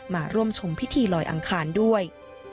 มาร่วมชมพิธีลอยอังคารด้วย